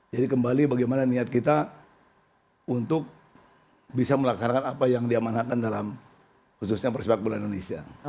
jadi kembali bagaimana niat kita untuk bisa melaksanakan apa yang diamanakan dalam khususnya persipak bola indonesia